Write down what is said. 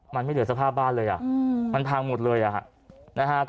มันไม่เหลือสภาพบ้านเลยอ่ะมันพังหมดเลยนะฮะ